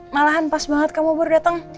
malahan pas banget kamu baru datang